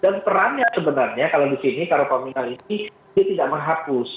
dan perannya sebenarnya kalau di sini kalau komunal ini dia tidak menghapus